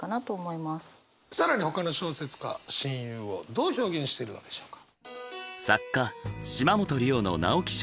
更にほかの小説家親友をどう表現してるのでしょうか？